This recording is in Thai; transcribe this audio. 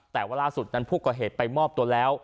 แต่ว่าล่าสุดนั้นผู้ก่อเหตุไปมอบตัวแล้ว